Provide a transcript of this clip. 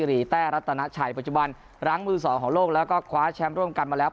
รีแต้รัตนาชัยปัจจุบันรั้งมือสองของโลกแล้วก็คว้าแชมป์ร่วมกันมาแล้ว